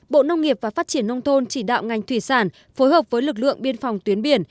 bộ nông nghiệp và phát triển nông thôn chỉ đạo ngành thủy sản phối hợp với lực lượng biên phòng tuyến biển